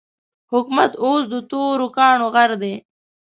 حکومت اوس د تورو کاڼو غر دی.